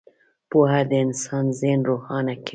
• پوهه د انسان ذهن روښانه کوي.